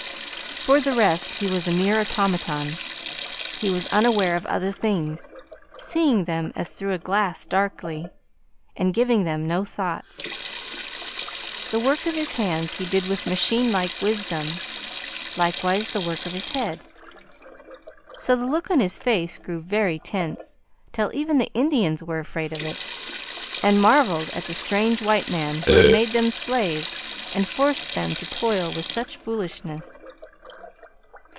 For the rest, he was a mere automaton. He was unaware of other things, seeing them as through a glass darkly, and giving them no thought. The work of his hands he did with machine like wisdom; likewise the work of his head. So the look on his face grew very tense, till even the Indians were afraid of it, and marvelled at the strange white man who had made them slaves and forced them to toil with such foolishness.